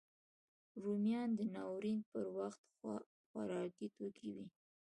رومیان د ناورین پر وخت خوارکي توکی وي